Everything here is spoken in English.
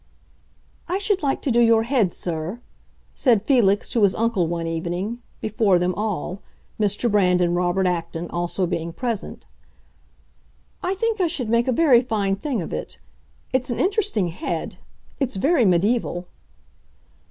"I should like to do your head, sir," said Felix to his uncle one evening, before them all—Mr. Brand and Robert Acton being also present. "I think I should make a very fine thing of it. It's an interesting head; it's very mediaeval."